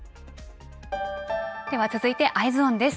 では続いてＥｙｅｓｏｎです。